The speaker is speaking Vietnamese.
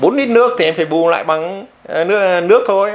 bốn lít nước thì anh phải bù lại bằng nước thôi